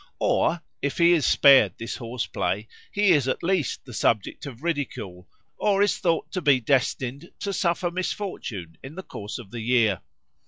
Or, if he is spared this horse play, he is at least the subject of ridicule or is thought to be destined to suffer some misfortune in the course of the year.